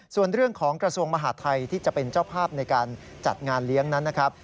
ส่วนเรื่องของกระทรวงมหาดไทยที่จะเป็นเจ้าภาพในการจัดงานเลี้ยงนั้นนะครับ